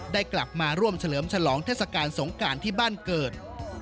ได้กลับมาร่วมเฉลิมฉลองเทศกาลสงการที่บ้านเกิด